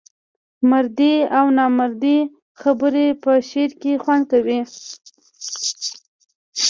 مردۍ او نامردۍ خبري په شعر کې خوند کوي.